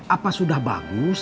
apa sudah bagus